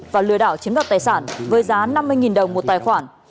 và lừa đảo chiếm đoạt tài sản với giá năm mươi đồng một tài khoản